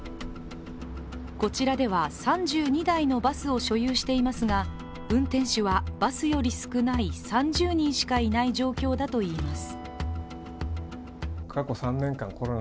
こちらでは、３２台のバスを所有していますが運転手はバスより少ない３０人しかいない状況だといいます。